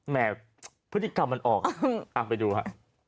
แหมพฤติกรรมมันออกเอาไปดูฮะ